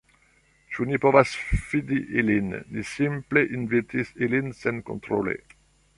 Ĉu ni povas fidi ilin? Ni simple invitis ilin senkontrole